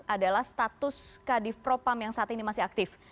adalah status kadif propam yang saat ini masih aktif